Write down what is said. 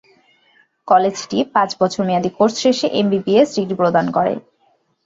কলেজটি পাঁচ বছর মেয়াদী কোর্স শেষে এমবিবিএস ডিগ্রি প্রদান করে।